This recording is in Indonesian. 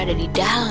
udah di taruh